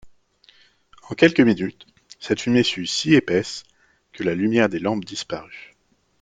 En quelques minutes, cette fumée fut si épaisse, que la lumière des lampes disparut.